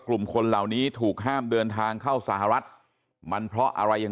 กลุ่มคนเหล่านี้ถูกห้ามเดินทางเข้าสหรัฐมันเพราะอะไรยัง